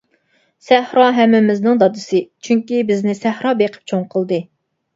سەھرا ھەممىمىزنىڭ دادىسى، چۈنكى بىزنى سەھرا بېقىپ چوڭ قىلدى.